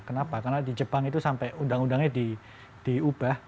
kenapa karena di jepang itu sampai undang undangnya diubah